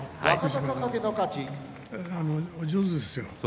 お上手ですよ。